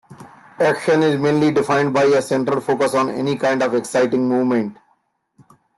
Action is mainly defined by a central focus on any kind of exciting movement.